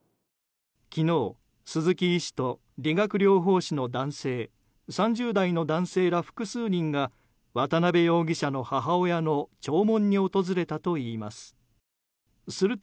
昨日、鈴木医師と理学療法士の男性３０代の男性ら複数人が渡邊容疑者の母親の弔問に訪れたといいます。